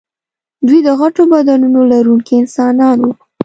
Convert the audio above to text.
دوی د غټو بدنونو لرونکي انسانان وو.